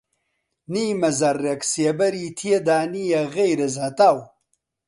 نیمە زەڕڕێک سێبەری تێدا نییە غەیرەز هەتاو